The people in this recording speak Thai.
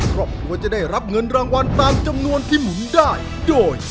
ครอบครัวจะได้รับเงินรางวัลตามจำนวนที่หมุนได้โดย